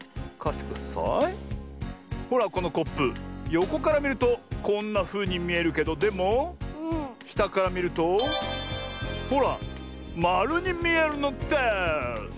ほらこのコップよこからみるとこんなふうにみえるけどでもしたからみるとほらまるにみえるのです！